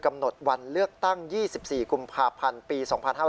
กำหนดวันเลือกตั้ง๒๔กุมภาพันธ์ปี๒๕๕๙